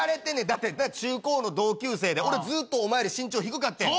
だって中高の同級生で俺ずっとお前より身長低かってん。